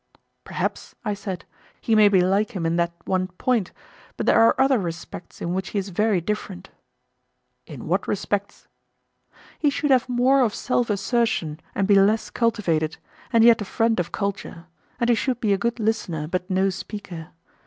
Perhaps, I said, he may be like him in that one point; but there are other respects in which he is very different. In what respects? He should have more of self assertion and be less cultivated, and yet a friend of culture; and he should be a good listener, but no speaker.